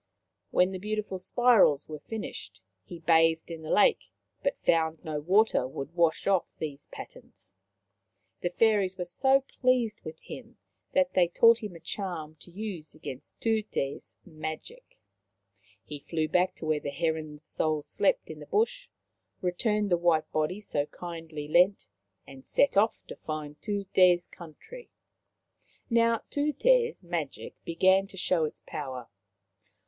When the beautiful spirals were finished, he bathed in the lake, but found no water would wash off these patterns. The Fairies were so pleased with him that they taught him a charm to use against Tute's magic. He flew back to where the heron's soul slept in the bush, returned the white body so kindly lent, and set off to find Tute's country. Now Tute's magic began to show its power.